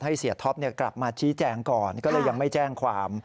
เสียท็อปกลับมาชี้แจงก่อนก็เลยยังไม่แจ้งความ